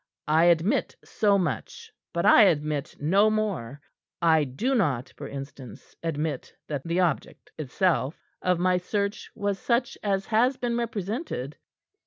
I admit so much, but I admit no more. I do not, for instance, admit that the object the object itself of my search was such as has been represented."